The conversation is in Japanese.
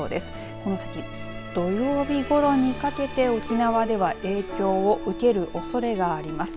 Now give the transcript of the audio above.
この先、土曜日ごろにかけて沖縄では影響を受けるおそれがあります。